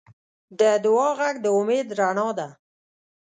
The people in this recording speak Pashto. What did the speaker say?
د دعا غږ د امید رڼا ده.